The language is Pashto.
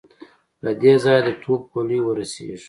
له دې ځايه د توپ ګولۍ ور رسېږي.